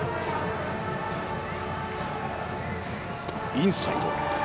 インサイド。